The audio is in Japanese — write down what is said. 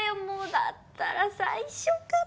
だったら最初から。